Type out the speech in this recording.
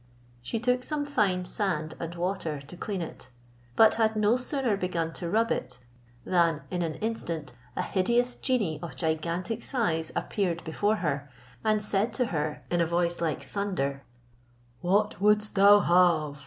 She took some fine sand and water to clean it; but had no sooner begun to rub it, than in an instant a hideous genie of gigantic size appeared before her, and said to her in a voice like thunder, "What wouldst thou have?